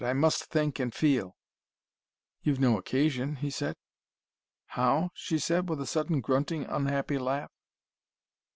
"I must think and feel " "You've no occasion," he said. "How ?" she said, with a sudden grunting, unhappy laugh.